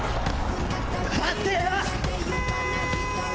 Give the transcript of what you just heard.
待てよ！